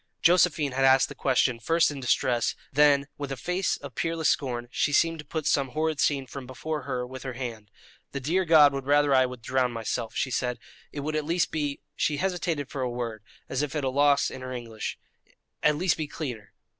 Josephine had asked the question first in distress; then, with a face of peerless scorn, she seemed to put some horrid scene from before her with her hand. "The dear God would rather I would drown myself," she said; "it would at least be" she hesitated for a word, as if at a loss in her English "at least be cleaner."